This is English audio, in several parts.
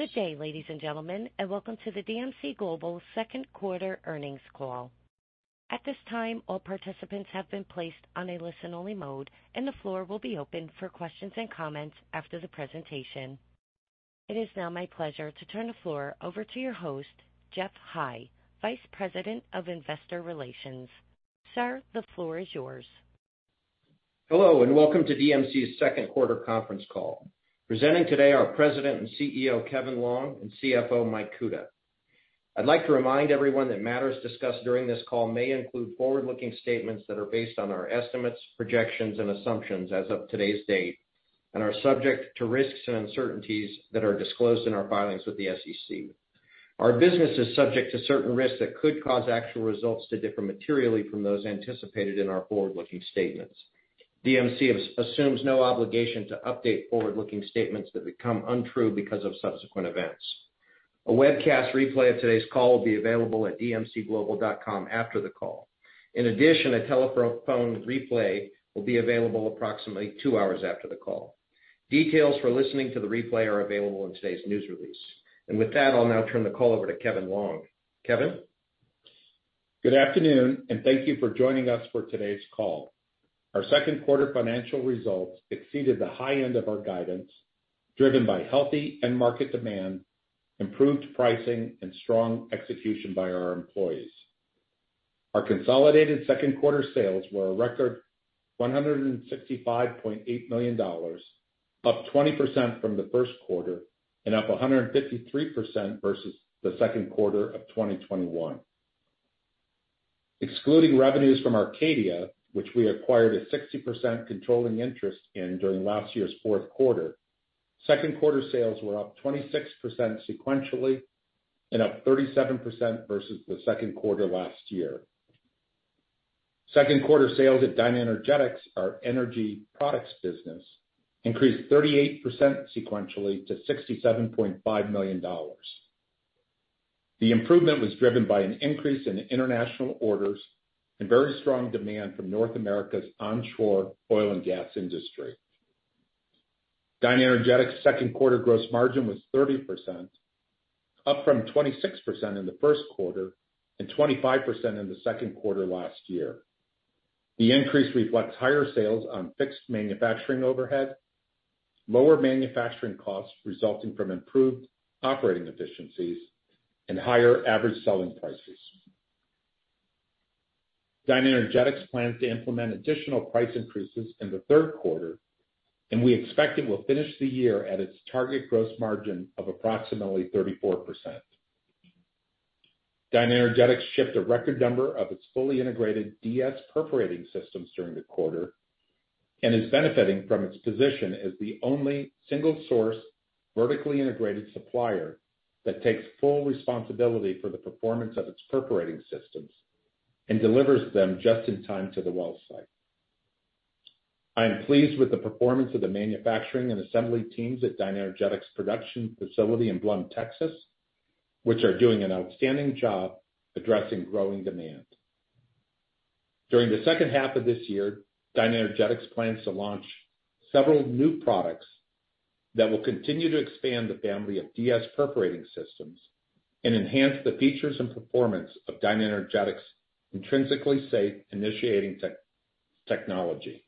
Good day, ladies and gentlemen, and welcome to the DMC Global second quarter earnings call. At this time, all participants have been placed on a listen-only mode, and the floor will be open for questions and comments after the presentation. It is now my pleasure to turn the floor over to your host, Geoff High, Vice President of Investor Relations. Sir, the floor is yours. Hello, and welcome to DMC's second quarter conference call. Presenting today are President and CEO, Kevin Longe, and CFO, Mike Kuta. I'd like to remind everyone that matters discussed during this call may include forward-looking statements that are based on our estimates, projections, and assumptions as of today's date, and are subject to risks and uncertainties that are disclosed in our filings with the SEC. Our business is subject to certain risks that could cause actual results to differ materially from those anticipated in our forward-looking statements. DMC assumes no obligation to update forward-looking statements that become untrue because of subsequent events. A webcast replay of today's call will be available at dmcglobal.com after the call. In addition, a telephone replay will be available approximately two hours after the call. Details for listening to the replay are available in today's news release. With that, I'll now turn the call over to Kevin Longe. Kevin? Good afternoon, and thank you for joining us for today's call. Our second quarter financial results exceeded the high end of our guidance, driven by healthy end market demand, improved pricing, and strong execution by our employees. Our consolidated second quarter sales were a record $165.8 million, up 20% from the first quarter and up 153% versus the second quarter of 2021. Excluding revenues from Arcadia, which we acquired a 60% controlling interest in during last year's fourth quarter, second quarter sales were up 26% sequentially and up 37% versus the second quarter last year. Second quarter sales at DynaEnergetics, our energy products business, increased 38% sequentially to $67.5 million. The improvement was driven by an increase in international orders and very strong demand from North America's onshore oil and gas industry. DynaEnergetics' second quarter gross margin was 30%, up from 26% in the first quarter and 25% in the second quarter last year. The increase reflects higher sales on fixed manufacturing overhead, lower manufacturing costs resulting from improved operating efficiencies, and higher average selling prices. DynaEnergetics plans to implement additional price increases in the third quarter, and we expect it will finish the year at its target gross margin of approximately 34%. DynaEnergetics shipped a record number of its fully integrated DS perforating systems during the quarter and is benefiting from its position as the only single source, vertically integrated supplier that takes full responsibility for the performance of its perforating systems and delivers them just in time to the well site. I am pleased with the performance of the manufacturing and assembly teams at DynaEnergetics production facility in Blum, Texas, which are doing an outstanding job addressing growing demand. During the second half of this year, DynaEnergetics plans to launch several new products that will continue to expand the family of DS perforating systems and enhance the features and performance of DynaEnergetics' Intrinsically Safe initiating technology.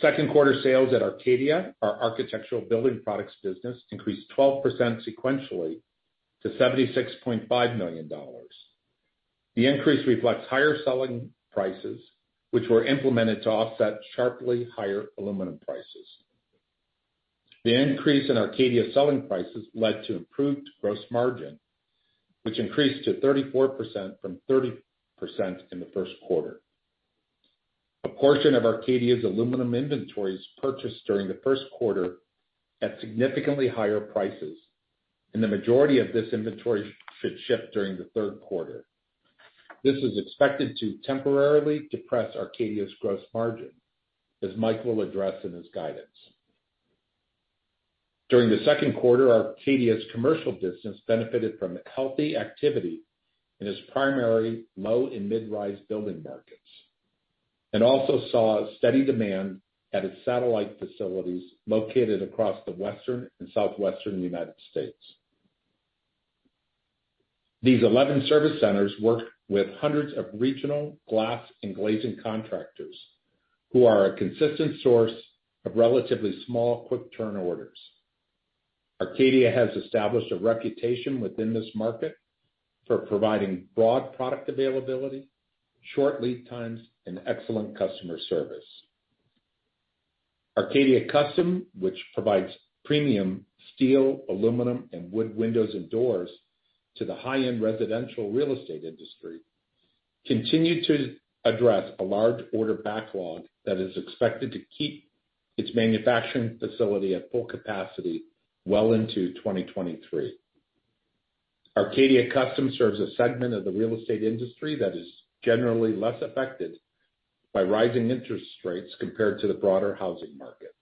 Second quarter sales at Arcadia, our architectural building products business, increased 12% sequentially to $76.5 million. The increase reflects higher selling prices, which were implemented to offset sharply higher aluminum prices. The increase in Arcadia selling prices led to improved gross margin, which increased to 34% from 30% in the first quarter. A portion of Arcadia's aluminum inventory is purchased during the first quarter at significantly higher prices, and the majority of this inventory should ship during the third quarter. This is expected to temporarily depress Arcadia's gross margin, as Mike will address in his guidance. During the second quarter, Arcadia's commercial business benefited from healthy activity in its primary low and mid-rise building markets and also saw steady demand at its satellite facilities located across the Western and Southwestern United States. These 11 service centers work with hundreds of regional glass and glazing contractors who are a consistent source of relatively small, quick turn orders. Arcadia has established a reputation within this market for providing broad product availability, short lead times, and excellent customer service. Arcadia Custom, which provides premium steel, aluminum, and wood windows and doors to the high-end residential real estate industry, continued to address a large order backlog that is expected to keep its manufacturing facility at full capacity well into 2023. Arcadia Custom serves a segment of the real estate industry that is generally less affected by rising interest rates compared to the broader housing market.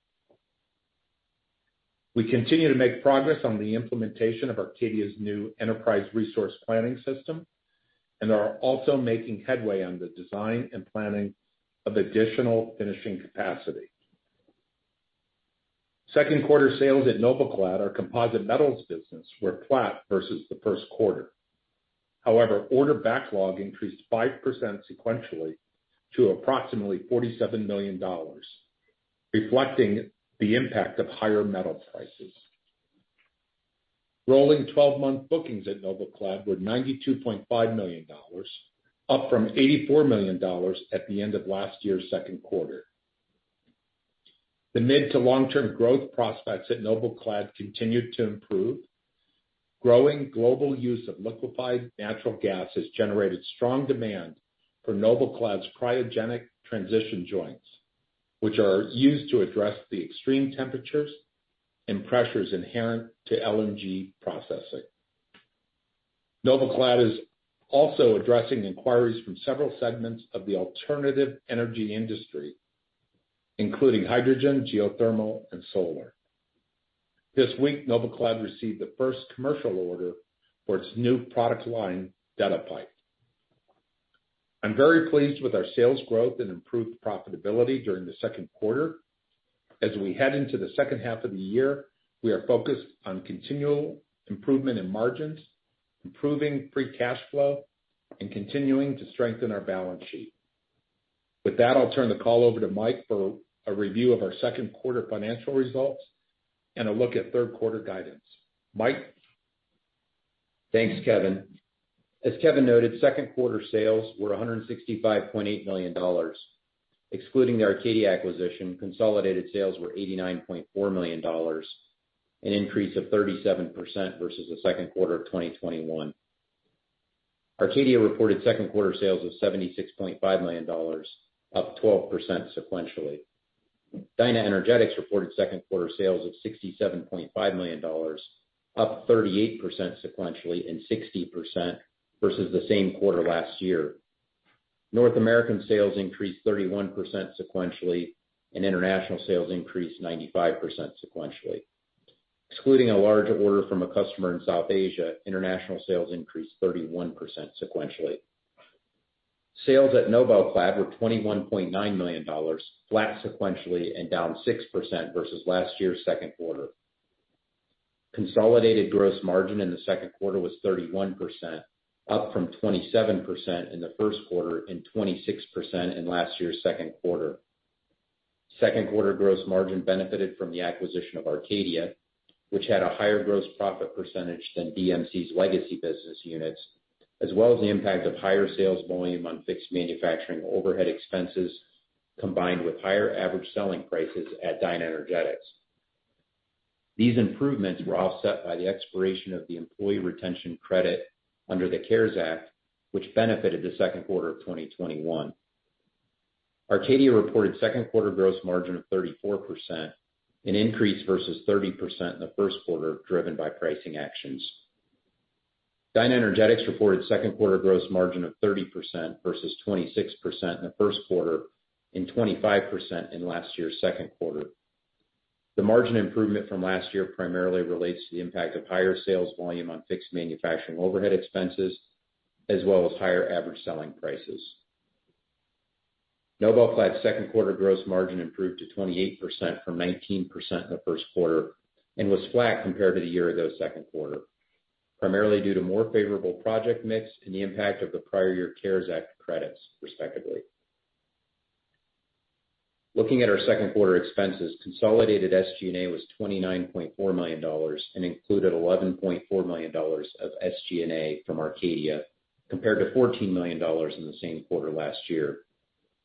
We continue to make progress on the implementation of Arcadia's new enterprise resource planning system and are also making headway on the design and planning of additional finishing capacity. Second quarter sales at NobelClad, our composite metals business, were flat versus the first quarter. However, order backlog increased 5% sequentially to approximately $47 million, reflecting the impact of higher metal prices. Rolling 12-month bookings at NobelClad were $92.5 million, up from $84 million at the end of last year's second quarter. The mid to long-term growth prospects at NobelClad continued to improve. Growing global use of liquefied natural gas has generated strong demand for NobelClad's cryogenic transition joints, which are used to address the extreme temperatures and pressures inherent to LNG processing. NobelClad is also addressing inquiries from several segments of the alternative energy industry, including hydrogen, geothermal, and solar. This week, NobelClad received the first commercial order for its new product line, DetaPipe. I'm very pleased with our sales growth and improved profitability during the second quarter. As we head into the second half of the year, we are focused on continual improvement in margins, improving free cash flow, and continuing to strengthen our balance sheet. With that, I'll turn the call over to Mike for a review of our second quarter financial results and a look at third quarter guidance. Mike? Thanks, Kevin. As Kevin noted, second quarter sales were $165.8 million. Excluding the Arcadia acquisition, consolidated sales were $89.4 million, an increase of 37% versus the second quarter of 2021. Arcadia reported second quarter sales of $76.5 million, up 12% sequentially. DynaEnergetics reported second quarter sales of $67.5 million, up 38% sequentially and 60% versus the same quarter last year. North American sales increased 31% sequentially, and international sales increased 95% sequentially. Excluding a large order from a customer in South Asia, international sales increased 31% sequentially. Sales at NobelClad were $21.9 million, flat sequentially and down 6% versus last year's second quarter. Consolidated gross margin in the second quarter was 31%, up from 27% in the first quarter and 26% in last year's second quarter. Second quarter gross margin benefited from the acquisition of Arcadia, which had a higher gross profit percentage than DMC's legacy business units, as well as the impact of higher sales volume on fixed manufacturing overhead expenses, combined with higher average selling prices at DynaEnergetics. These improvements were offset by the expiration of the Employee Retention Credit under the CARES Act, which benefited the second quarter of 2021. Arcadia reported second quarter gross margin of 34%, an increase versus 30% in the first quarter, driven by pricing actions. DynaEnergetics reported second quarter gross margin of 30% versus 26% in the first quarter and 25% in last year's second quarter. The margin improvement from last year primarily relates to the impact of higher sales volume on fixed manufacturing overhead expenses as well as higher average selling prices. NobelClad's second quarter gross margin improved to 28% from 19% in the first quarter and was flat compared to the year ago second quarter, primarily due to more favorable project mix and the impact of the prior year CARES Act credits, respectively. Looking at our second quarter expenses, consolidated SG&A was $29.4 million and included $11.4 million of SG&A from Arcadia, compared to $14 million in the same quarter last year.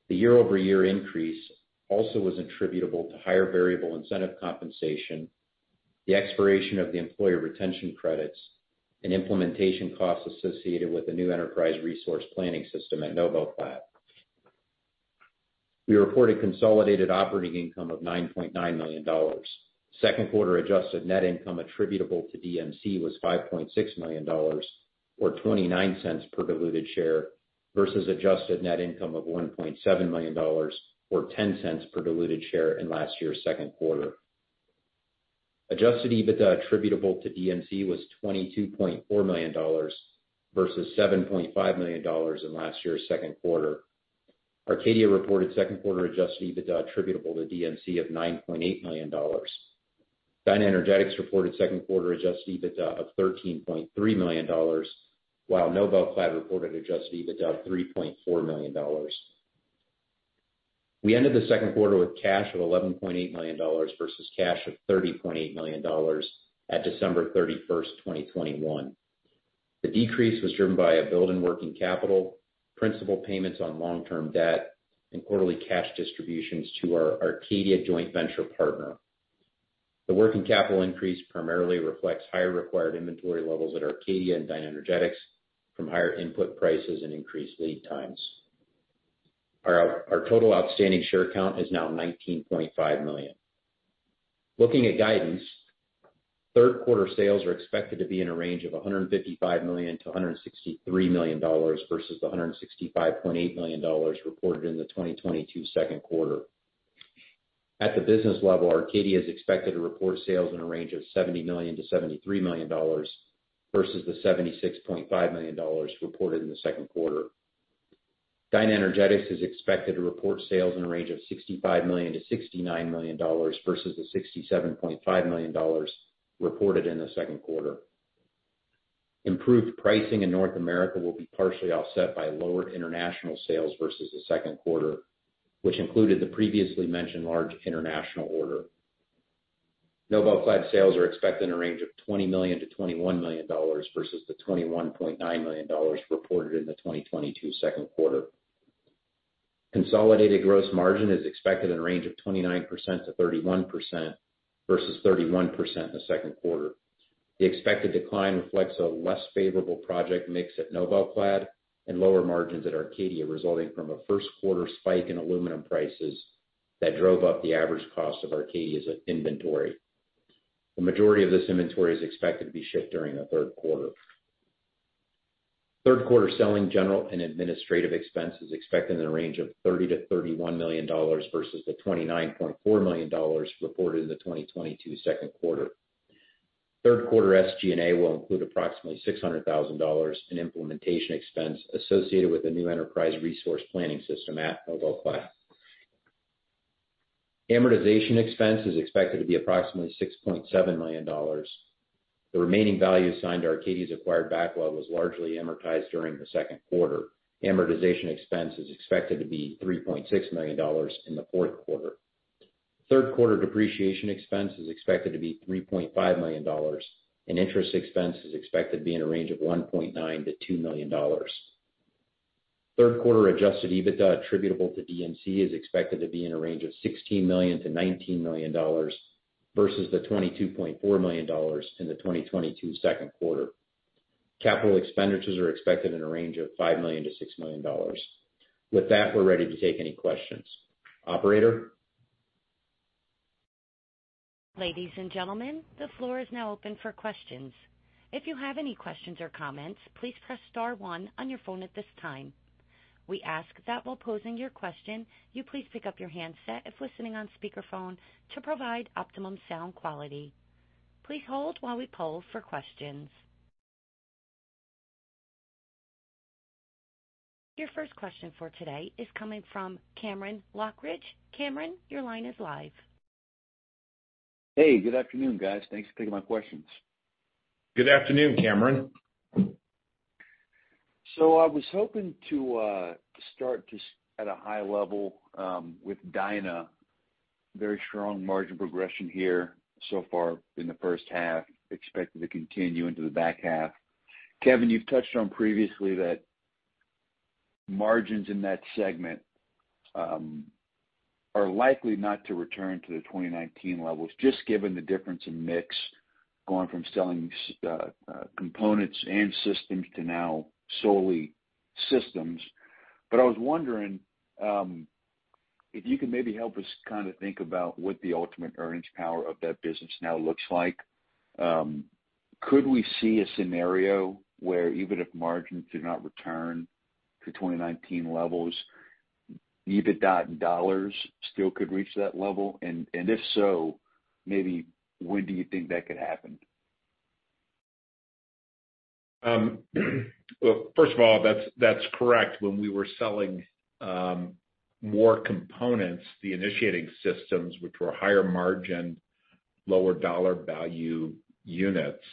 The year-over-year increase also was attributable to higher variable incentive compensation, the expiration of the Employee Retention Credits, and implementation costs associated with the new enterprise resource planning system at NobelClad. We reported consolidated operating income of $9.9 million. Second quarter adjusted net income attributable to DMC was $5.6 million or $0.29 per diluted share versus adjusted net income of $1.7 million or $0.10 per diluted share in last year's second quarter. Adjusted EBITDA attributable to DMC was $22.4 million versus $7.5 million in last year's second quarter. Arcadia reported second quarter Adjusted EBITDA attributable to DMC of $9.8 million. DynaEnergetics reported second quarter Adjusted EBITDA of $13.3 million, while NobelClad reported Adjusted EBITDA of $3.4 million. We ended the second quarter with cash of $11.8 million versus cash of $30.8 million at December 31st, 2021. The decrease was driven by a build in working capital, principal payments on long-term debt, and quarterly cash distributions to our Arcadia joint venture partner. The working capital increase primarily reflects higher required inventory levels at Arcadia and DynaEnergetics from higher input prices and increased lead times. Our total outstanding share count is now 19.5 million. Looking at guidance, third quarter sales are expected to be in a range of $155 million-$163 million versus the $165.8 million reported in the 2022 second quarter. At the business level, Arcadia is expected to report sales in a range of $70 million-$73 million versus the $76.5 million reported in the second quarter. DynaEnergetics is expected to report sales in a range of $65 million-$69 million versus the $67.5 million reported in the second quarter. Improved pricing in North America will be partially offset by lower international sales versus the second quarter, which included the previously mentioned large international order. NobelClad sales are expected in a range of $20 million-$21 million versus the $21.9 million reported in the 2022 second quarter. Consolidated gross margin is expected in a range of 29%-31% versus 31% in the second quarter. The expected decline reflects a less favorable project mix at NobelClad and lower margins at Arcadia, resulting from a first quarter spike in aluminum prices that drove up the average cost of Arcadia's inventory. The majority of this inventory is expected to be shipped during the third quarter. Third quarter selling, general and administrative expense is expected in the range of $30 million-$31 million versus the $29.4 million reported in the 2022 second quarter. Third quarter SG&A will include approximately $600,000 in implementation expense associated with the new enterprise resource planning system at NobelClad. Amortization expense is expected to be approximately $6.7 million. The remaining value assigned to Arcadia's acquired backlog was largely amortized during the second quarter. Amortization expense is expected to be $3.6 million in the fourth quarter. Third quarter depreciation expense is expected to be $3.5 million, and interest expense is expected to be in a range of $1.9 million-$2 million. Third quarter Adjusted EBITDA attributable to DMC is expected to be in a range of $16 million-$19 million versus the $22.4 million in the 2022 second quarter. Capital expenditures are expected in a range of $5 million-$6 million. With that, we're ready to take any questions. Operator? Ladies and gentlemen, the floor is now open for questions. If you have any questions or comments, please press star one on your phone at this time. We ask that while posing your question, you please pick up your handset if listening on speakerphone to provide optimum sound quality. Please hold while we poll for questions. Your first question for today is coming from Cameron Lochridge. Cameron, your line is live. Hey, good afternoon, guys. Thanks for taking my questions. Good afternoon, Cameron. I was hoping to start just at a high level with Dyna. Very strong margin progression here so far in the first half, expected to continue into the back half. Kevin, you've touched on previously that margins in that segment are likely not to return to the 2019 levels, just given the difference in mix going from selling components and systems to now solely systems. But I was wondering if you could maybe help us kind of think about what the ultimate earnings power of that business now looks like. Could we see a scenario where even if margins do not return to 2019 levels, EBITDA in dollars still could reach that level? And if so, maybe when do you think that could happen? Well, first of all, that's correct. When we were selling more components, the initiating systems, which were higher margin, lower dollar value units,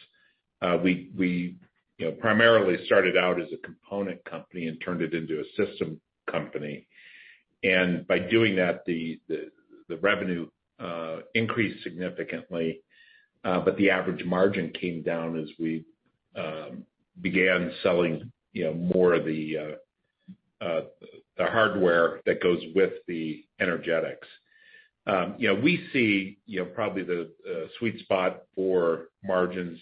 we, you know, primarily started out as a component company and turned it into a system company. By doing that, the revenue increased significantly, but the average margin came down as we began selling, you know, more of the hardware that goes with the energetics. You know, we see, you know, probably the sweet spot for margins,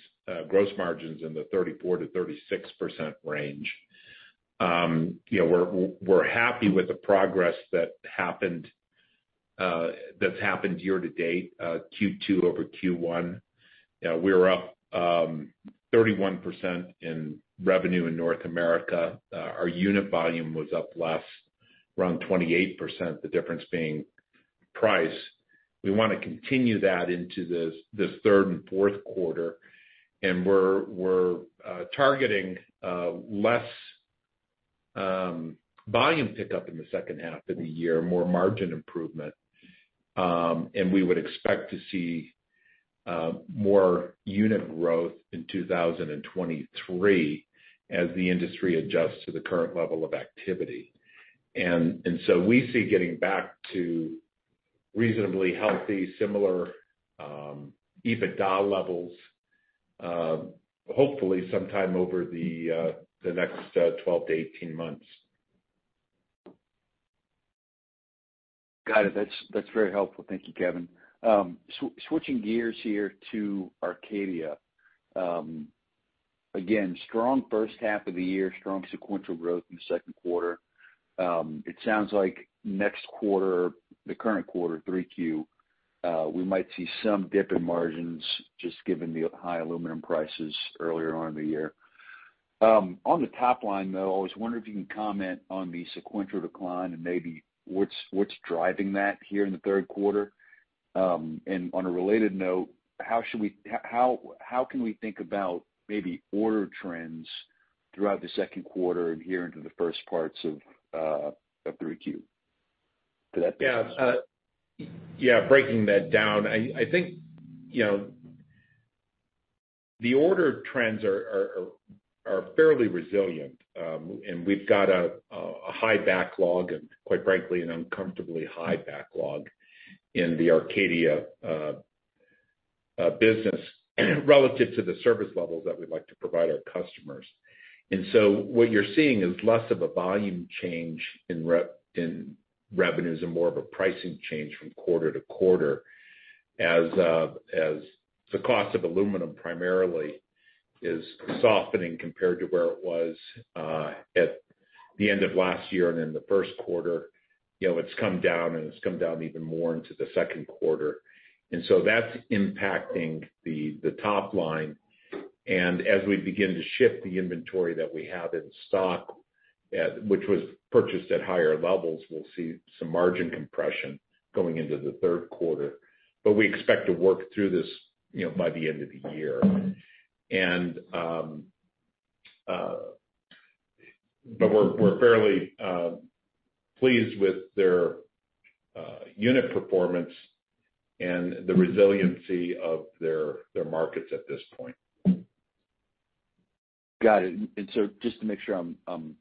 gross margins in the 34%-36% range. You know, we're happy with the progress that's happened year-to-date, Q2 over Q1. We're up 31% in revenue in North America. Our unit volume was up less around 28%, the difference being price. We wanna continue that into the third and fourth quarter, and we're targeting less volume pickup in the second half of the year, more margin improvement. We would expect to see more unit growth in 2023 as the industry adjusts to the current level of activity. We see getting back to reasonably healthy, similar EBITDA levels, hopefully sometime over the next 12 to 18 months. Got it. That's very helpful. Thank you, Kevin. Switching gears here to Arcadia. Again, strong first half of the year, strong sequential growth in the second quarter. It sounds like next quarter, the current quarter, 3Q, we might see some dip in margins just given the high aluminum prices earlier on in the year. On the top line though, I was wondering if you can comment on the sequential decline and maybe what's driving that here in the third quarter. On a related note, how can we think about maybe order trends throughout the second quarter and here into the first parts of 3Q? Yeah. Yeah, breaking that down. I think, you know, the order trends are fairly resilient, and we've got a high backlog and quite frankly an uncomfortably high backlog in the Arcadia business relative to the service levels that we'd like to provide our customers. What you're seeing is less of a volume change in revenues and more of a pricing change from quarter-to-quarter as the cost of aluminum primarily is softening compared to where it was at the end of last year and in the first quarter. You know, it's come down, and it's come down even more into the second quarter. That's impacting the top line. As we begin to ship the inventory that we have in stock, which was purchased at higher levels, we'll see some margin compression going into the third quarter. We expect to work through this, you know, by the end of the year. We're fairly pleased with their unit performance and the resiliency of their markets at this point. Got it. Just to make sure I'm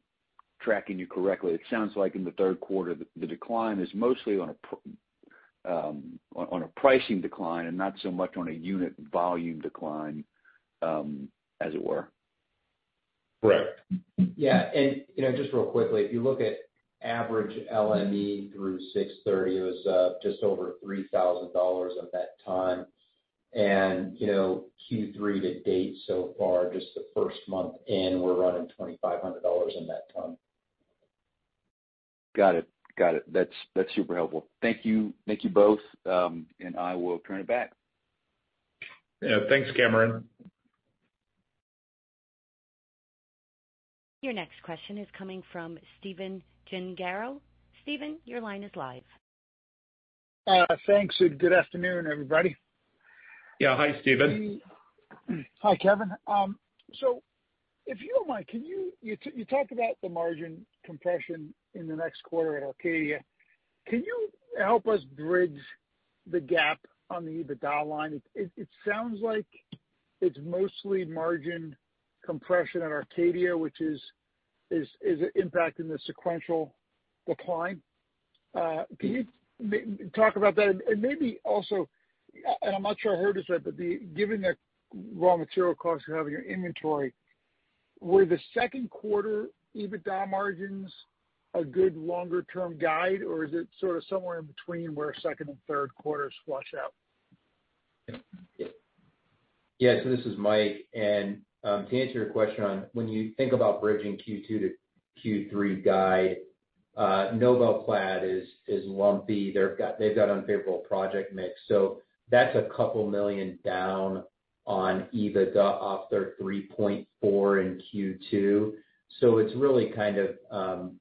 tracking you correctly. It sounds like in the third quarter, the decline is mostly on a pricing decline and not so much on a unit volume decline, as it were. Correct. Yeah, you know, just real quickly, if you look at average LME through 6/30, it was just over $3,000 a metric ton. You know, Q3 to date so far, just the first month in, we're running $2,500 a metric ton. Got it. That's super helpful. Thank you. Thank you both, and I will turn it back. Yeah. Thanks, Cameron. Your next question is coming from Stephen Gengaro. Stephen, your line is live. Thanks. Good afternoon, everybody. Yeah. Hi, Stephen. Hi, Kevin. If you don't mind, you talked about the margin compression in the next quarter at Arcadia. Can you help us bridge the gap on the EBITDA line? It sounds like it's mostly margin compression at Arcadia, which is impacting the sequential decline. Can you talk about that? Maybe also, I'm not sure I heard this right, but given the raw material costs you have in your inventory, were the second quarter EBITDA margins a good longer-term guide, or is it sort of somewhere in between where second and third quarters play out? This is Mike. To answer your question on when you think about bridging Q2 to Q3 guide, NobelClad is lumpy. They've got unfavorable project mix. That's a couple million down on EBITDA off their $3.4 million in Q2. It's really kind of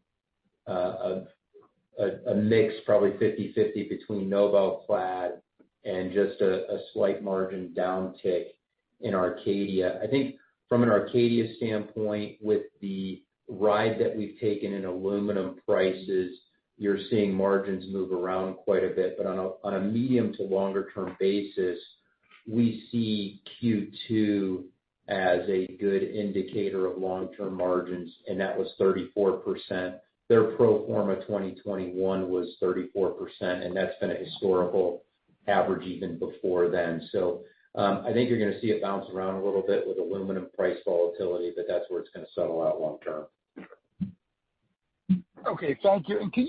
a mix probably 50/50 between NobelClad and just a slight margin downtick in Arcadia. I think from an Arcadia standpoint, with the hit that we've taken in aluminum prices, you're seeing margins move around quite a bit. On a medium- to long-term basis, we see Q2 as a good indicator of long-term margins, and that was 34%. Their pro forma 2021 was 34%, and that's been a historical average even before then. I think you're gonna see it bounce around a little bit with aluminum price volatility, but that's where it's gonna settle out long term. Okay. Thank you. Can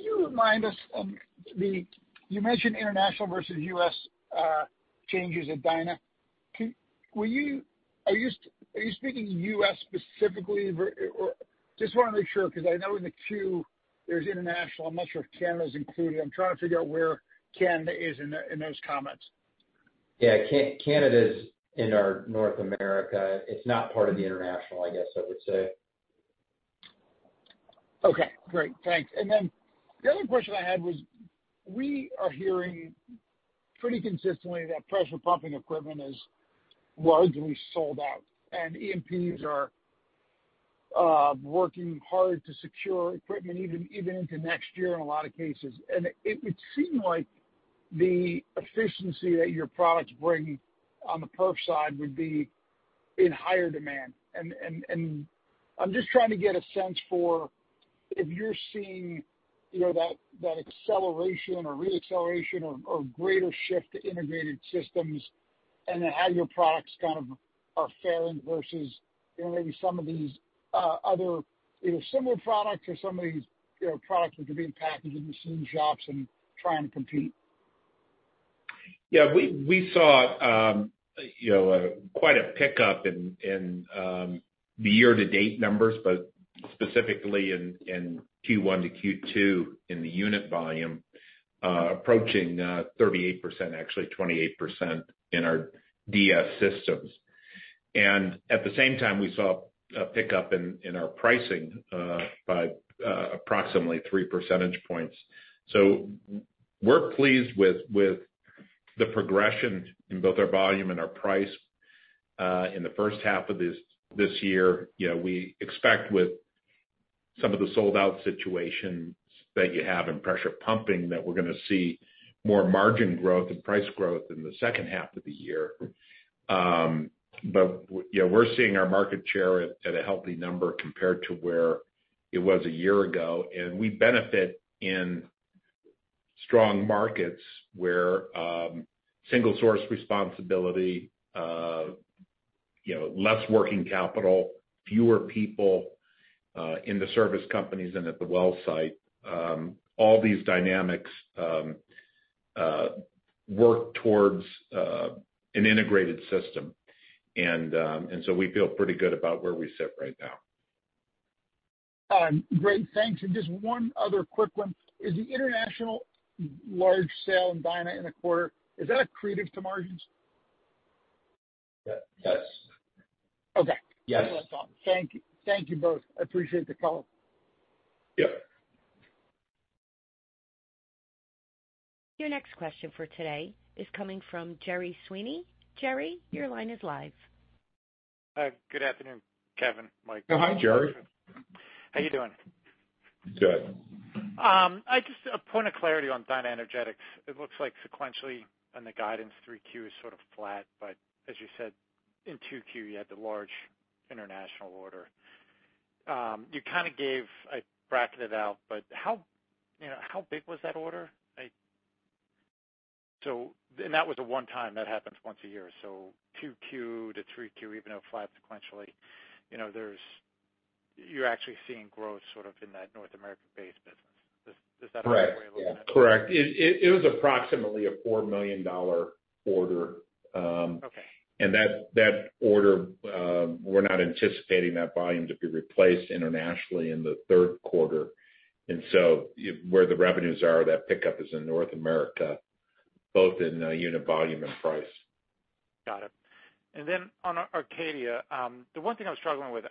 you remind us you mentioned international versus U.S. changes at Dyna? Are you speaking U.S. specifically? Or just wanna make sure, because I know in the Q, there's international. I'm not sure if Canada's included. I'm trying to figure out where Canada is in those comments. Yeah. Canada is in our North America. It's not part of the international, I guess I would say. Okay. Great. Thanks. The other question I had was, we are hearing pretty consistently that pressure pumping equipment is largely sold out, and E&Ps are working hard to secure equipment even into next year in a lot of cases. It seemed like the efficiency that your products bring on the perm side would be in higher demand. I'm just trying to get a sense for if you're seeing, you know, that acceleration or re-acceleration or greater shift to integrated systems and how your products kind of are faring versus, you know, maybe some of these other either similar products or some of these products that are being packaged in the same shops and trying to compete. Yeah. We saw, you know, quite a pickup in the year-to-date numbers, but specifically in Q1 to Q2 in the unit volume, approaching 38%, actually 28% in our DS systems. At the same time, we saw a pickup in our pricing by approximately 3 percentage points. We're pleased with the progression in both our volume and our price in the first half of this year. You know, we expect with some of the sold-out situations that you have in pressure pumping that we're gonna see more margin growth and price growth in the second half of the year. Yeah, we're seeing our market share at a healthy number compared to where it was a year ago. We benefit in strong markets where single source responsibility, you know, less working capital, fewer people in the service companies and at the well site. All these dynamics work towards an integrated system. We feel pretty good about where we sit right now. Great. Thanks. Just one other quick one. Is the international large sale in Dyna in a quarter, is that accretive to margins? Yeah. Yes. Okay. Yes. That's what I thought. Thank you. Thank you both. I appreciate the call. Yep. Your next question for today is coming from Gerry Sweeney. Gerry, your line is live. Good afternoon, Kevin, Mike. Oh, hi, Jerry. How you doing? Good. A point of clarity on DynaEnergetics. It looks like sequentially on the guidance, 3Q is sort of flat, but as you said, in 2Q, you had the large international order. You kind of gave—I backed it out, but how, you know, how big was that order? And that was a one-time, that happens once a year. 2Q to 3Q, even though flat sequentially, you know, you're actually seeing growth sort of in that North American-based business. Does that— Right. —the way you look at it? Yeah. Correct. It was approximately a $4 million order. Okay. That order, we're not anticipating that volume to be replaced internationally in the third quarter. Where the revenues are, that pickup is in North America, both in unit volume and price. Got it. On Arcadia, the one thing I was struggling with,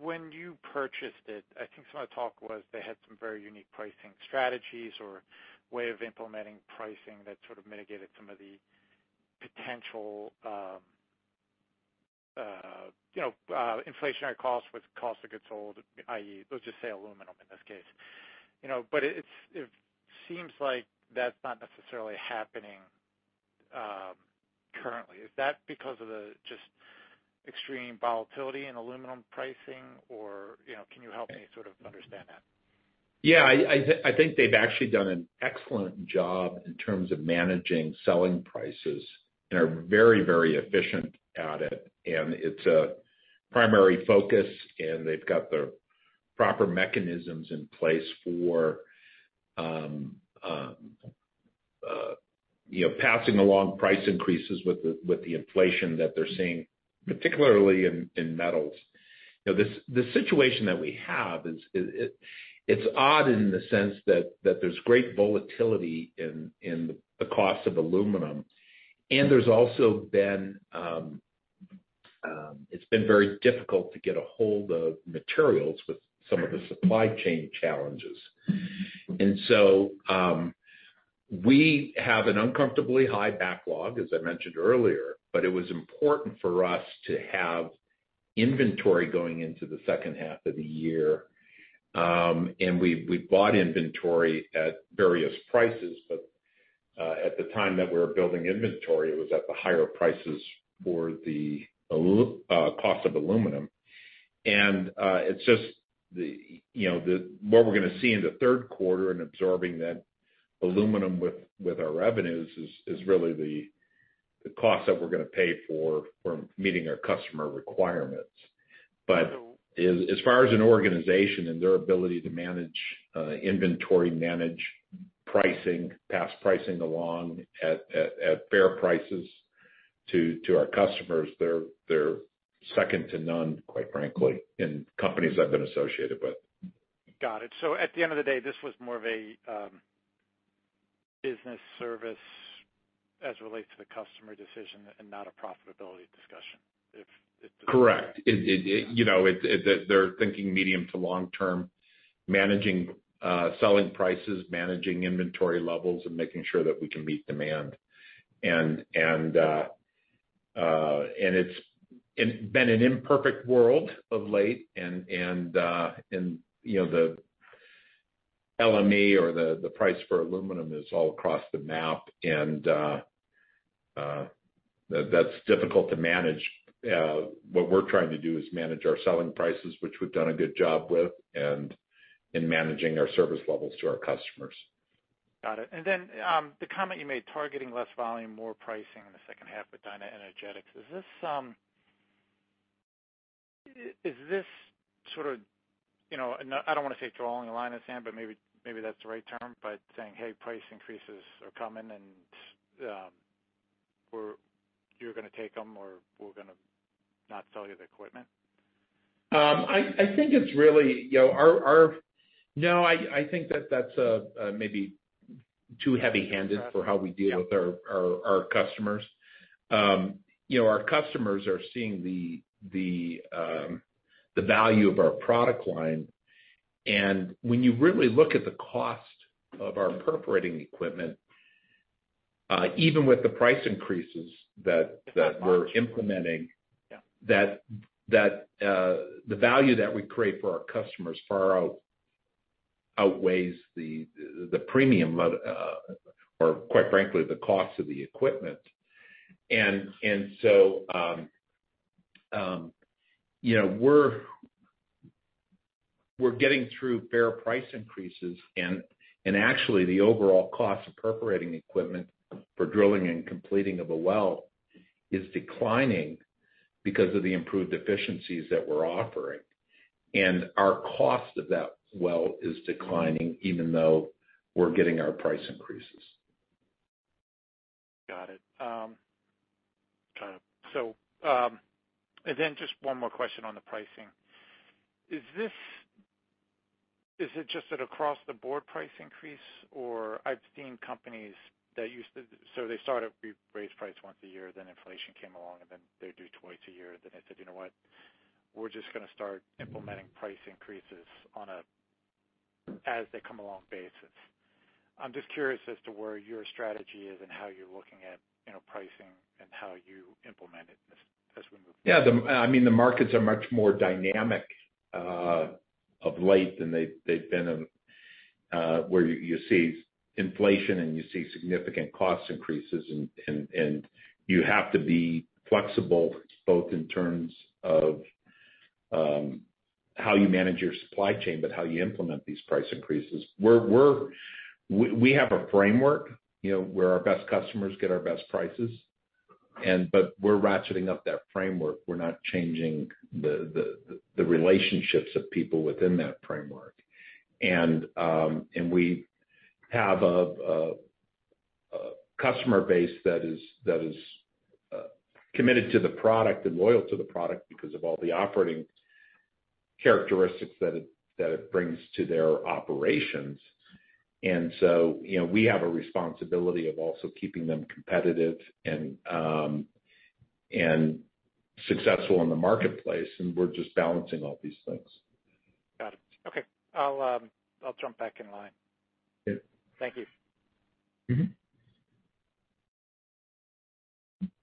when you purchased it, I think some of the talk was they had some very unique pricing strategies or way of implementing pricing that sort of mitigated some of the potential, you know, inflationary costs with cost of goods sold, i.e., let's just say aluminum in this case. You know, but it seems like that's not necessarily happening, currently. Is that because of the just extreme volatility in aluminum pricing? Or, you know, can you help me sort of understand that? Yeah. I think they've actually done an excellent job in terms of managing selling prices and are very, very efficient at it. It's a primary focus, and they've got the proper mechanisms in place for, you know, passing along price increases with the inflation that they're seeing, particularly in metals. You know, the situation that we have is it's odd in the sense that there's great volatility in the cost of aluminum. And there's also been—it's been very difficult to get a hold of materials with some of the supply chain challenges. We have an uncomfortably high backlog, as I mentioned earlier, but it was important for us to have inventory going into the second half of the year. We bought inventory at various prices, but at the time that we were building inventory, it was at the higher prices for the cost of aluminum. It's just the, you know, what we're gonna see in the third quarter and absorbing that aluminum with our revenues is really the cost that we're gonna pay for meeting our customer requirements. As far as an organization and their ability to manage inventory, manage pricing, pass pricing along at fair prices to our customers, they're second to none, quite frankly, in companies I've been associated with. Got it. At the end of the day, this was more of a business service as it relates to the customer decision and not a profitability discussion. Correct. Yeah. You know, they're thinking medium to long term, managing selling prices, managing inventory levels, and making sure that we can meet demand. You know, the LME or the price for aluminum is all across the map, and that's difficult to manage. What we're trying to do is manage our selling prices, which we've done a good job with, and in managing our service levels to our customers. Got it. Then, the comment you made, targeting less volume, more pricing in the second half with DynaEnergetics. Is this sort of, you know, and I don't wanna say drawing a line in the sand, but maybe that's the right term, but saying, "Hey, price increases are coming, and or you're gonna take them, or we're gonna not sell you the equipment"? I think that's maybe too heavy-handed for how we deal with our customers. You know, our customers are seeing the value of our product line. When you really look at the cost of our perforating equipment, even with the price increases that we're implementing. Yeah. That the value that we create for our customers far outweighs the premium of, or quite frankly, the cost of the equipment. You know, we're getting through fair price increases and actually the overall cost of perforating equipment for drilling and completing of a well is declining because of the improved efficiencies that we're offering. Our cost of that well is declining even though we're getting our price increases. Got it. Just one more question on the pricing. Is it just an across the board price increase? Or I've seen companies that used to start up, we raise price once a year, then inflation came along, and then they do twice a year. Then they said, "You know what? We're just gonna start implementing price increases on an as they come along basis." I'm just curious as to where your strategy is and how you're looking at, you know, pricing and how you implement it as we move forward. Yeah. I mean, the markets are much more dynamic of late than they've been in where you see inflation and you see significant cost increases and you have to be flexible both in terms of how you manage your supply chain, but how you implement these price increases. We have a framework, you know, where our best customers get our best prices and, but we're ratcheting up that framework. We're not changing the relationships of people within that framework. We have a customer base that is committed to the product and loyal to the product because of all the operating characteristics that it brings to their operations. You know, we have a responsibility of also keeping them competitive and successful in the marketplace, and we're just balancing all these things. Got it. Okay. I'll jump back in line. Okay. Thank you. Mm-hmm.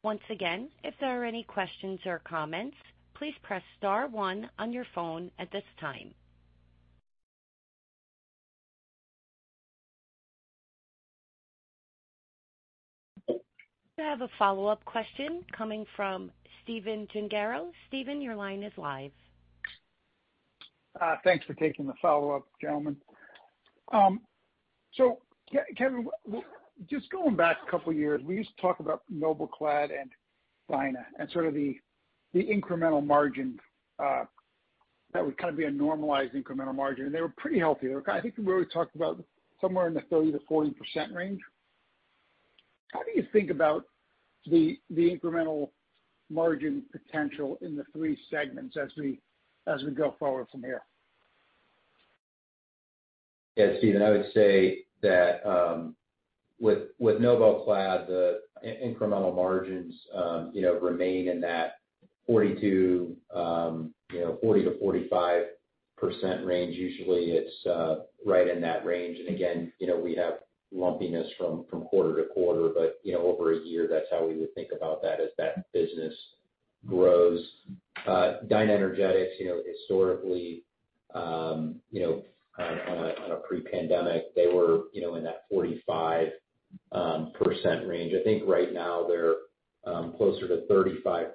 Once again, if there are any questions or comments, please press star one on your phone at this time. We have a follow-up question coming from Stephen Gengaro. Steven, your line is live. Thanks for taking the follow-up, gentlemen. So can we, just going back a couple of years, we used to talk about NobelClad and Dyna and sort of the incremental margin that would kind of be a normalized incremental margin, and they were pretty healthy. I think we already talked about somewhere in the 30%-40% range. How do you think about the incremental margin potential in the three segments as we go forward from here? Yeah, Stephen, I would say that with NobelClad, the incremental margins you know remain in that 40%-45% range. Usually, it's right in that range. Again, you know, we have lumpiness from quarter-to-quarter. You know, over a year, that's how we would think about that as that business grows. DynaEnergetics you know historically on a pre-pandemic they were you know in that 45% range. I think right now they're closer to 35%,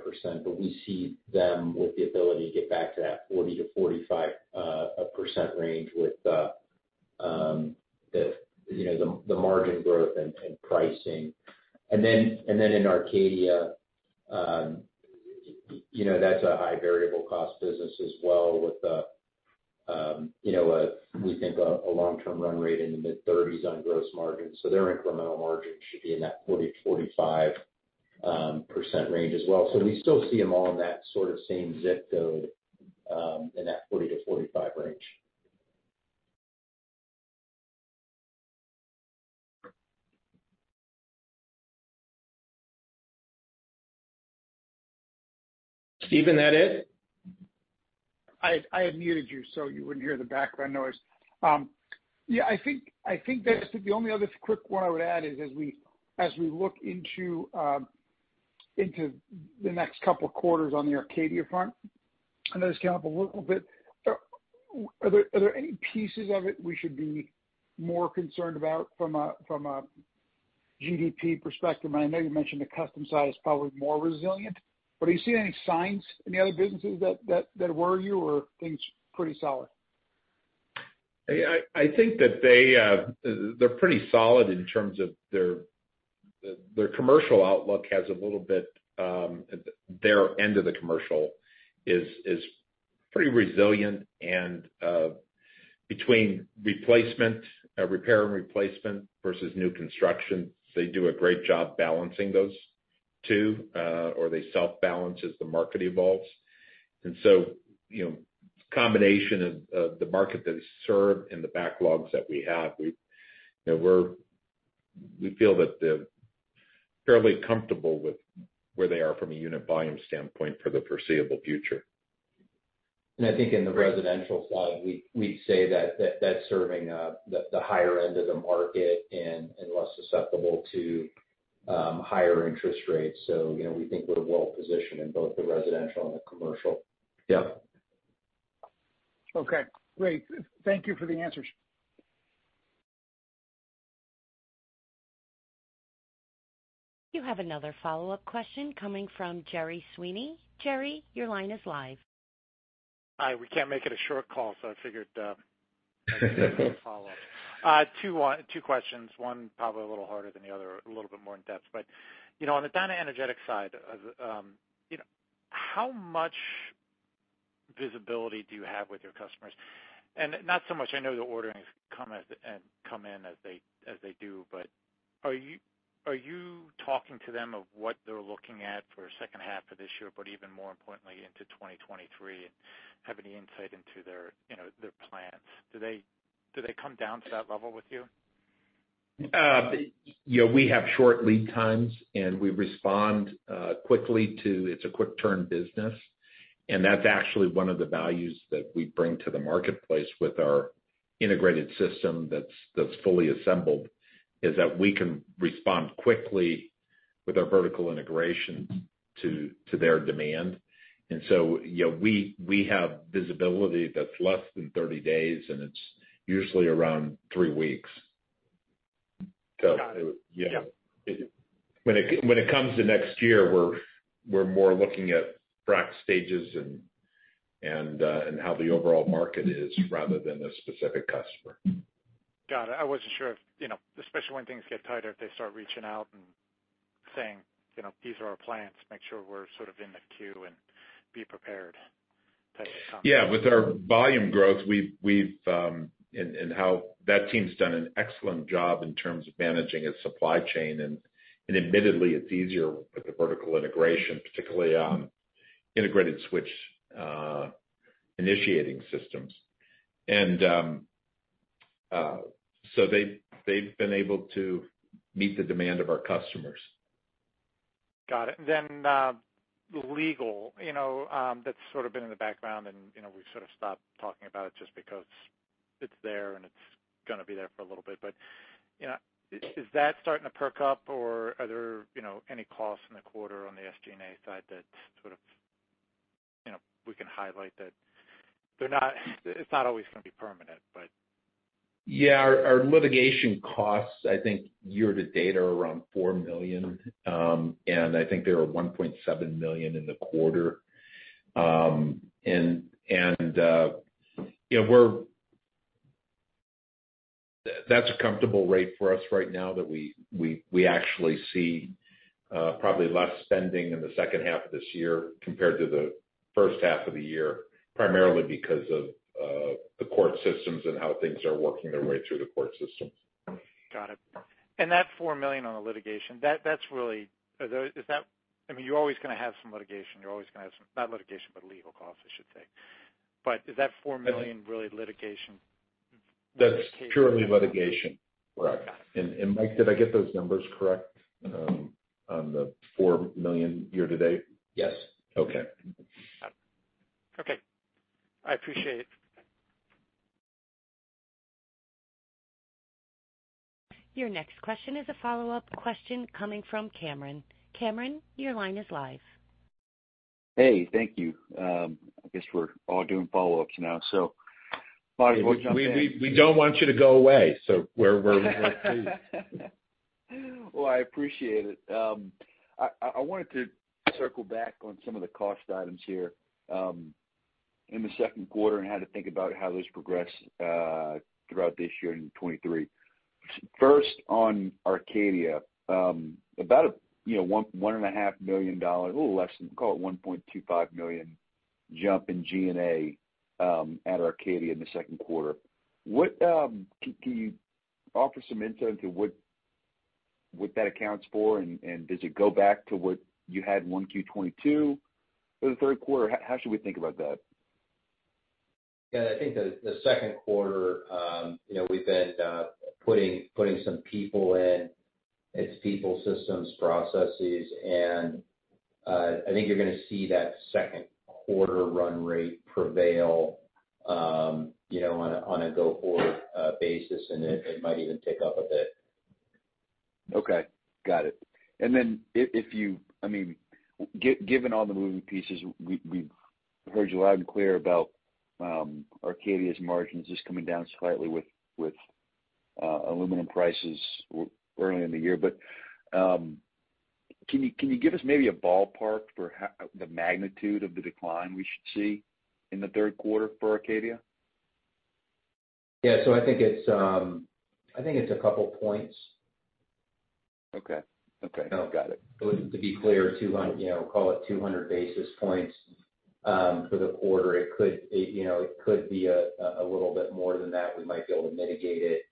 but we see them with the ability to get back to that 40%-45% range with the you know the margin growth and pricing. In Arcadia, you know, that's a high variable cost business as well, you know, we think a long-term run rate in the mid-30s% on gross margins. Their incremental margin should be in that 40%-45% range as well. We still see them all in that sort of same ZIP code, in that 40%-45% range. Steven, that's it? I had muted you, so you wouldn't hear the background noise. Yeah, I think that the only other quick one I would add is as we look into the next couple of quarters on the Arcadia front. I know it's come up a little bit. Are there any pieces of it we should be more concerned about from a GDP perspective? I know you mentioned the custom side is probably more resilient, but are you seeing any signs in the other businesses that worry you or are things pretty solid? I think that they're pretty solid in terms of their commercial outlook has a little bit, their end of the commercial is pretty resilient and, between replacement, repair and replacement versus new construction, they do a great job balancing those two, or they self-balance as the market evolves. You know, combination of the market that is served and the backlogs that we have, we feel that they're fairly comfortable with where they are from a unit volume standpoint for the foreseeable future. I think in the residential side, we say that that's serving the higher end of the market and less susceptible to higher interest rates. You know, we think we're well positioned in both the residential and the commercial. Yeah. Okay, great. Thank you for the answers. You have another follow-up question coming from Gerry Sweeney. Gerry, your line is live. Hi. We can't make it a short call, so I figured I'd do a follow-up. Two questions, one probably a little harder than the other, a little bit more in-depth. You know, on the DynaEnergetics side of, you know, how much visibility do you have with your customers? And not so much. I know the ordering has come in as they do, but are you talking to them of what they're looking at for second half of this year, but even more importantly, into 2023, and have any insight into their, you know, their plans? Do they come down to that level with you? You know, we have short lead times, and we respond quickly to; it's a quick turn business. That's actually one of the values that we bring to the marketplace with our integrated system that's fully assembled, is that we can respond quickly with our vertical integration to their demand. You know, we have visibility that's less than 30 days, and it's usually around three weeks. Got it. Yeah. Yeah. When it comes to next year, we're more looking at frack stages and how the overall market is rather than a specific customer. Got it. I wasn't sure if, you know, especially when things get tighter, if they start reaching out and saying, you know, "These are our plans, make sure we're sort of in the queue and be prepared" type of thing. Yeah. With our volume growth, and how that team's done an excellent job in terms of managing its supply chain, and admittedly it's easier with the vertical integration, particularly on integrated switch initiating systems. They've been able to meet the demand of our customers. Got it. Legal, you know, that's sort of been in the background and, you know, we've sort of stopped talking about it just because it's there and it's gonna be there for a little bit. You know, is that starting to perk up or are there, you know, any costs in the quarter on the SG&A side that sort of, you know, we can highlight that they're not, it's not always gonna be permanent, but. Yeah. Our litigation costs, I think year-to-date are around $4 million, and I think they were $1.7 million in the quarter. You know, that's a comfortable rate for us right now that we actually see probably less spending in the second half of this year compared to the first half of the year, primarily because of the court systems and how things are working their way through the court systems. Got it. That $4 million on the litigation, that's really. Is that, I mean, you're always gonna have some litigation. You're always gonna have some, not litigation, but legal costs, I should say. Is that $4 million really litigation? That's purely litigation. Right. Mike, did I get those numbers correct on the $4 million year-to-date? Yes. Okay. Okay. I appreciate it. Your next question is a follow-up question coming from Cameron. Cameron, your line is live. Hey, thank you. I guess we're all doing follow-ups now, so might as well jump in. We don't want you to go away, so we're pleased. Well, I appreciate it. I wanted to circle back on some of the cost items here in the second quarter and how to think about how those progress throughout this year in 2023. First, on Arcadia, about, you know, $1.5 million, a little less than, call it $1.25 million jump in SG&A at Arcadia in the second quarter. What can you offer some insight into what that accounts for and does it go back to what you had in 1Q 2022 or the third quarter? How should we think about that? Yeah. I think the second quarter, you know, we've been putting some people in. It's people, systems, processes, and I think you're gonna see that second quarter run rate prevail, you know, on a go forward basis, and it might even tick up a bit. Okay. Got it. I mean, given all the moving pieces, we've heard you loud and clear about Arcadia's margins just coming down slightly with aluminum prices early in the year. But can you give us maybe a ballpark for the magnitude of the decline we should see in the third quarter for Arcadia? Yeah. I think it's a couple points. Okay. No, got it. To be clear, 200, you know, call it 200 basis points for the quarter. It could, you know, it could be a little bit more than that. We might be able to mitigate it.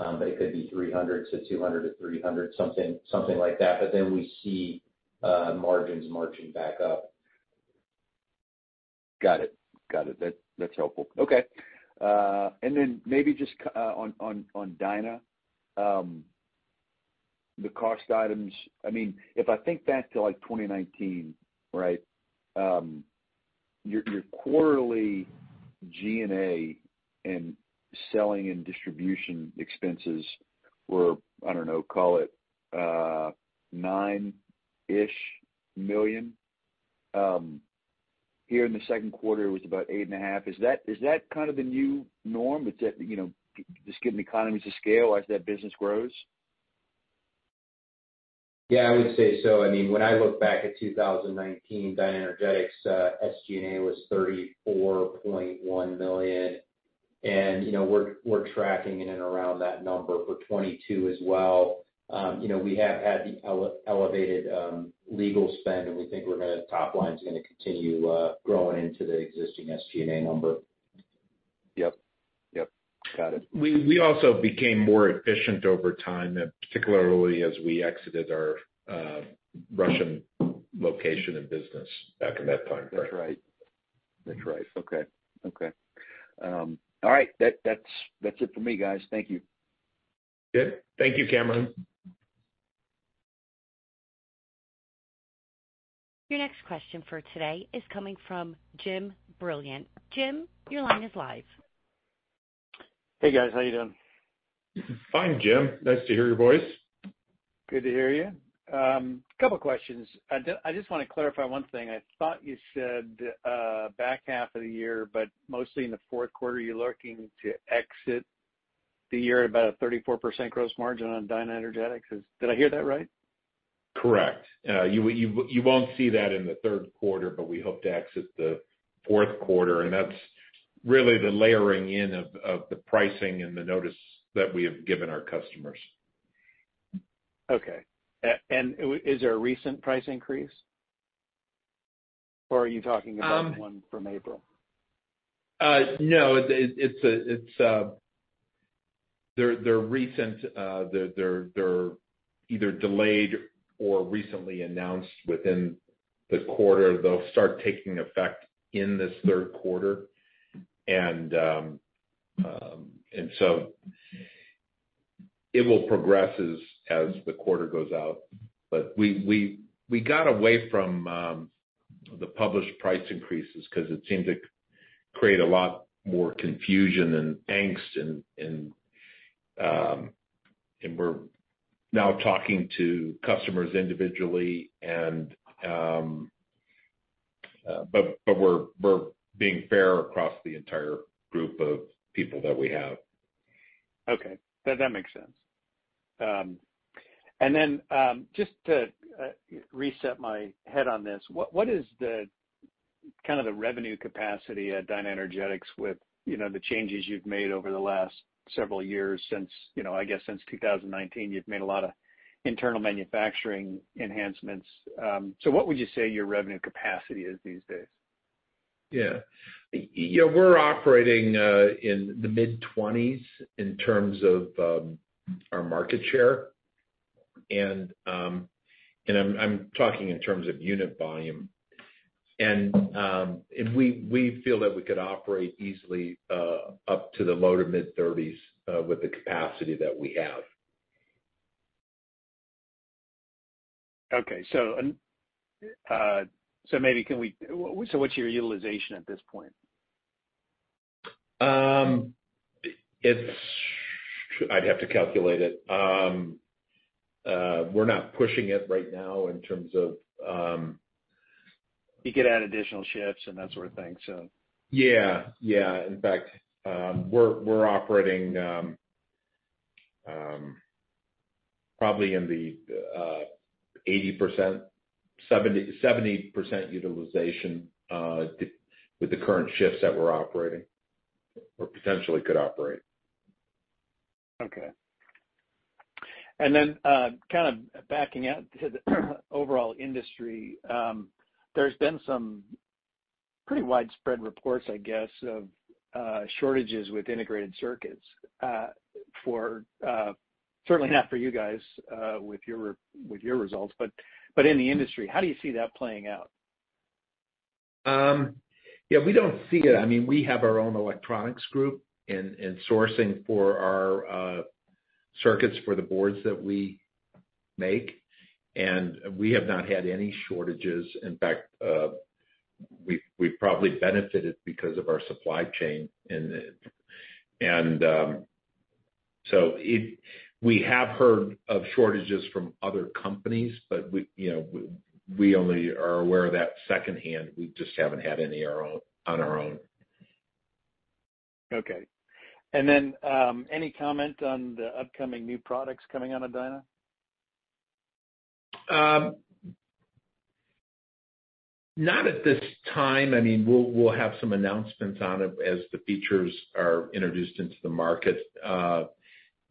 It could be 200 to 300, something like that. Then we see margins marching back up. Got it. That's helpful. Okay. Then maybe just on Dyna, the cost items. I mean, if I think back to, like, 2019, right? Your quarterly G&A and selling and distribution expenses were, I don't know, call it $9-ish million. Here in the second quarter, it was about $8.5 million. Is that kind of the new norm? Is that, you know, just giving economies of scale as that business grows? Yeah, I would say so. I mean, when I look back at 2019, DynaEnergetics SG&A was $34.1 million. You know, we're tracking in and around that number for 2022 as well. You know, we have had the elevated legal spend, and we think we're gonna top line's gonna continue growing into the existing SG&A number. Yep. Got it. We also became more efficient over time, and particularly as we exited our Russian location and business back in that time frame. That's right. Okay. All right. That's it for me, guys. Thank you. Good. Thank you, Cameron. Your next question for today is coming from Jim Brilliant. Jim, your line is live. Hey, guys. How you doing? Fine, Jim. Nice to hear your voice. Good to hear you. Couple questions. I just wanna clarify one thing. I thought you said, back half of the year, but mostly in the fourth quarter, you're looking to exit the year at about a 34% gross margin on DynaEnergetics. Did I hear that right? Correct. You won't see that in the third quarter, but we hope to exit the fourth quarter, and that's really the layering in of the pricing and the notice that we have given our customers. Okay. Is there a recent price increase? Or are you talking about one from April? No. They're recent. They're either delayed or recently announced within the quarter. They'll start taking effect in this third quarter. It will progress as the quarter goes out. We got away from the published price increases 'cause it seemed to create a lot more confusion and angst, and we're now talking to customers individually, but we're being fair across the entire group of people that we have. Okay. That makes sense. Just to reset my head on this, what is the kind of the revenue capacity at DynaEnergetics with you know the changes you've made over the last several years since you know I guess since 2019 you've made a lot of internal manufacturing enhancements. What would you say your revenue capacity is these days? Yeah. You know, we're operating in the mid-20s in terms of our market share. I'm talking in terms of unit volume. We feel that we could operate easily up to the low- to mid-30s with the capacity that we have. What's your utilization at this point? I'd have to calculate it. We're not pushing it right now in terms of... You could add additional shifts and that sort of thing, so. Yeah, yeah. In fact, we're operating probably in the 80%, 70% utilization with the current shifts that we're operating or potentially could operate. Okay. Kind of backing out to the overall industry, there's been some pretty widespread reports, I guess, of shortages with integrated circuits for certainly not for you guys with your results, but in the industry, how do you see that playing out? Yeah, we don't see it. I mean, we have our own electronics group and sourcing for our circuits for the boards that we make, and we have not had any shortages. In fact, we probably benefited because of our supply chain and. We have heard of shortages from other companies, but we, you know, we only are aware of that secondhand. We just haven't had any on our own. Okay. Any comment on the upcoming new products coming out of Dyna? Not at this time. I mean, we'll have some announcements on it as the features are introduced into the market.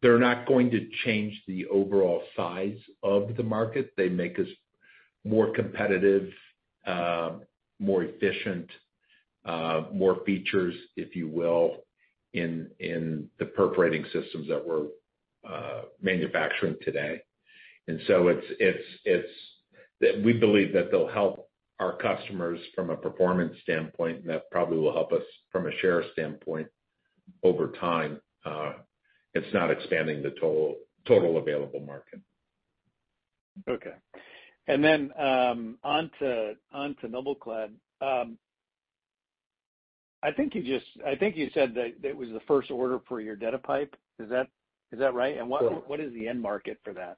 They're not going to change the overall size of the market. They make us more competitive, more efficient, more features, if you will, in the perforating systems that we're manufacturing today. We believe that they'll help our customers from a performance standpoint, and that probably will help us from a share standpoint over time. It's not expanding the total available market. Okay. Onto NobelClad. I think you said that was the first order for your DetaPipe. Is that right? Sure. What is the end market for that?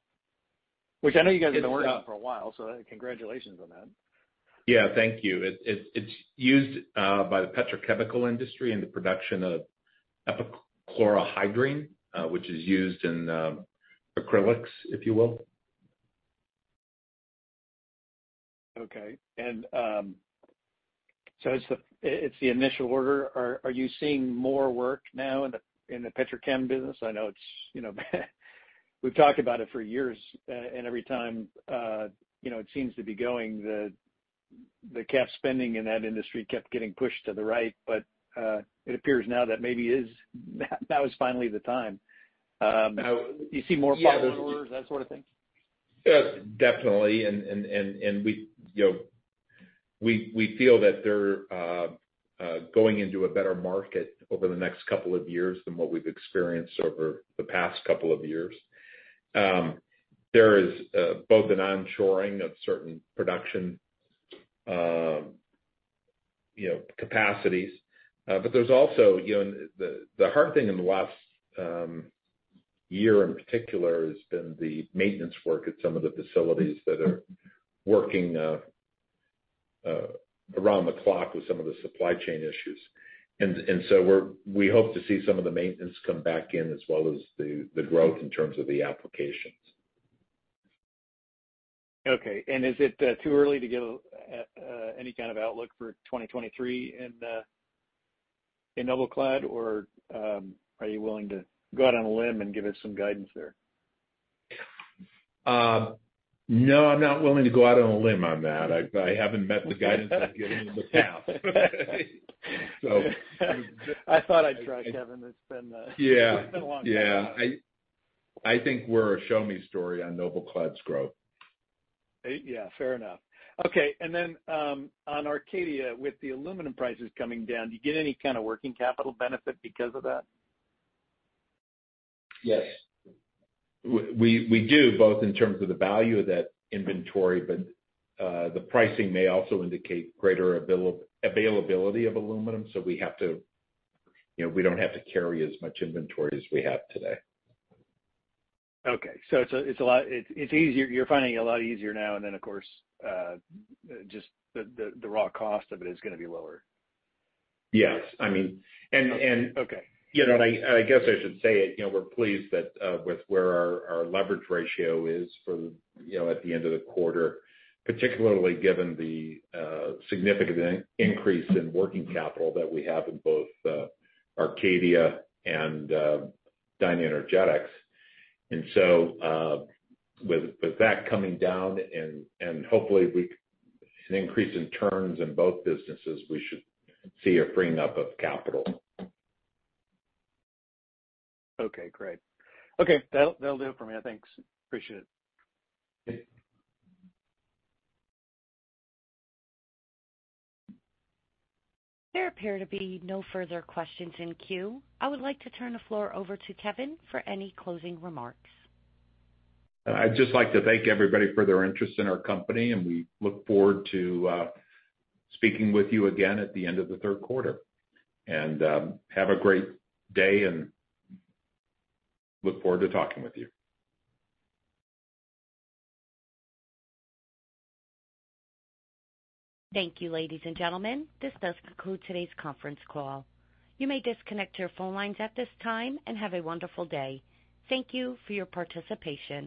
Which I know you guys have been working on for a while, so congratulations on that. Yeah. Thank you. It's used by the petrochemical industry in the production of epichlorohydrin, which is used in acrylics, if you will. Okay. It's the initial order. Are you seeing more work now in the petrochem business? I know it's, you know, we've talked about it for years. Every time, you know, it seems the cap spending in that industry kept getting pushed to the right. It appears now that maybe now is finally the time. Do you see more follow orders, that sort of thing? Yeah, definitely. We, you know, feel that they're going into a better market over the next couple of years than what we've experienced over the past couple of years. There is both an onshoring of certain production, you know, capacities. There's also, you know, the hard thing in the last year in particular has been the maintenance work at some of the facilities that are working around the clock with some of the supply chain issues. We hope to see some of the maintenance come back in as well as the growth in terms of the applications. Okay. Is it too early to give any kind of outlook for 2023 in NobelClad? Are you willing to go out on a limb and give us some guidance there? No, I'm not willing to go out on a limb on that. I haven't met the guidance I've given in the past. I thought I'd try, Kevin. It's been. Yeah. It's been a long time. Yeah. I think we're a show-me story on NobelClad's growth. Yeah. Fair enough. Okay. On Arcadia, with the aluminum prices coming down, do you get any kind of working capital benefit because of that? Yes. We do, both in terms of the value of that inventory, but the pricing may also indicate greater availability of aluminum, so we have to, you know, we don't have to carry as much inventory as we have today. Okay. It's a lot easier. You're finding it a lot easier now and then, of course, just the raw cost of it is gonna be lower. Yes. I mean. Okay. You know, I guess I should say it, you know, we're pleased that with where our leverage ratio is, you know, at the end of the quarter, particularly given the significant increase in working capital that we have in both Arcadia and DynaEnergetics. With that coming down and hopefully an increase in turns in both businesses, we should see a freeing up of capital. Okay, great. Okay. That'll do it for me. Thanks. Appreciate it. Okay. There appear to be no further questions in queue. I would like to turn the floor over to Kevin for any closing remarks. I'd just like to thank everybody for their interest in our company, and we look forward to speaking with you again at the end of the third quarter. Have a great day and look forward to talking with you. Thank you, ladies and gentlemen. This does conclude today's conference call. You may disconnect your phone lines at this time, and have a wonderful day. Thank you for your participation.